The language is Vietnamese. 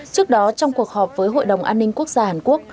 trước đó trong cuộc họp với hội đồng an ninh quốc gia hàn quốc